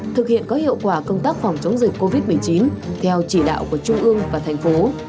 thực hiện có hiệu quả công tác phòng chống dịch covid một mươi chín theo chỉ đạo của trung ương và thành phố